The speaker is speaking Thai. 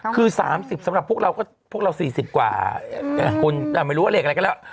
คือ๓๐สำหรับพวกเราก็พวกเรา๔๐กว่าคุณไม่รู้ว่าเลขอะไรก็แล้ว